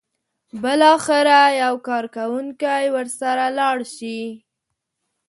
بالاخره یو کارکوونکی ورسره لاړ شي.